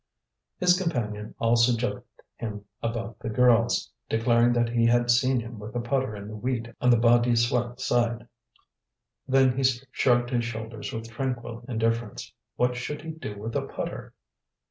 His companion also joked him about the girls, declaring that he had seen him with a putter in the wheat on the Bas de Soie side. Then he shrugged his shoulders with tranquil indifference. What should he do with a putter?